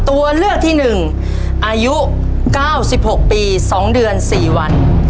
ตัวเลือกที่๑อายุ๙๖ปี๒เดือน๔วัน